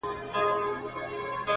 اشرف المخلوقات یم ما مېږی وژلی نه دی,